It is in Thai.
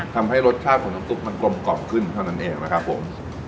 ทำให้รสชาติของน้ำซุปมันกลมกล่อมขึ้นเท่านั้นเองนะครับผม